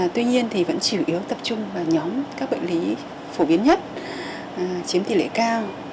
tuy nhiên thì vẫn chủ yếu tập trung vào nhóm các bệnh lý phổ biến nhất chiếm tỷ lệ cao